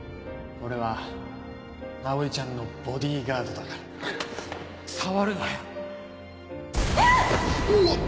俺は葵ちゃんのボディーガードだから触るなよおっ！